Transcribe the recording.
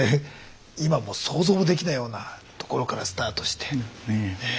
今もう想像もできないようなところからスタートして。